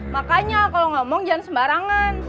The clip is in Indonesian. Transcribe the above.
makanya kalau ngomong jangan sembarangan